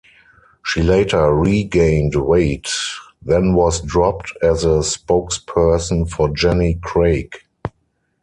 She later regained weight, then was dropped as a spokesperson for Jenny Craig.